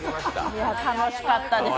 いや、楽しかったです。